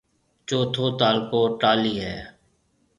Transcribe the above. چوٿو تعلقو ٽالِي ھيََََ